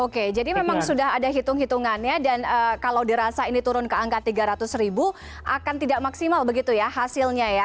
oke jadi memang sudah ada hitung hitungannya dan kalau dirasa ini turun ke angka tiga ratus ribu akan tidak maksimal begitu ya hasilnya ya